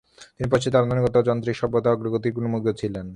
তিনি পাশ্চাত্যের আধুনিকতা এবং যান্ত্রিক সভ্যতার অগ্রগতির গুণমুগ্ধ ছিলেন।